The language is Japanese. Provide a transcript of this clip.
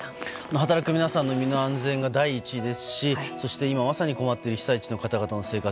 働く皆さんの身の安全が第一ですしそして、今まさに困っている被災地の方々の生活